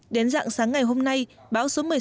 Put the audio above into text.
đến dạng sáng ngày hôm nay bão số một mươi sáu đã suy yếu